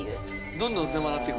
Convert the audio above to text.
どんどん狭なってく。